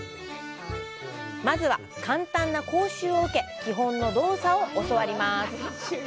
まずは簡単な講習を受け基本の動作を教わります。